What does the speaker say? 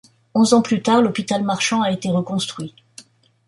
Onze ans plus tard, l’hôpital Marchant a été reconstruit.